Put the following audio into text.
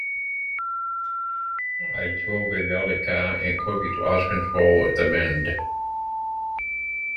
I drove a rally car and quickly lost control at the bend.